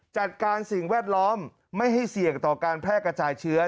จัดการสิ่งแวดล้อมไม่ให้เสี่ยงต่อการแพร่กระจายเชื้อ